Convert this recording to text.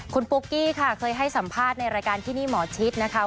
คุณปุ๊กกี้ค่ะเคยให้สัมภาษณ์ในรายการที่นี่หมอชิดนะคะ